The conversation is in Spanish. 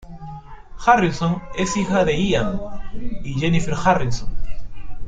Harrison es hija de Ian y Jennifer Harrison.